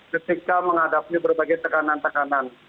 ketika menghadapi berbagai tekanan tekanan